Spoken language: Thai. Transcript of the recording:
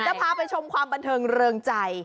จะพาไปชมความบันเทิงเริงใจ